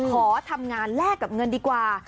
ขอทำงานแลกกับเงินดีกว่า